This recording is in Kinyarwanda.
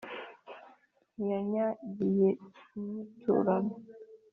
Ntiyanyagiye inyiturano